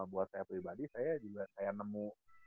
buat saya pribadi saya juga saya nemu